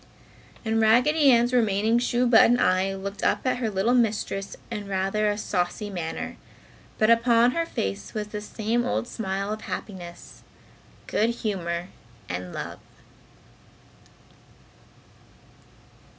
And Raggedy Ann's remaining shoe button eye looked up at her little mistress in rather a saucy manner, but upon her face was the same old smile of happiness, good humor and love.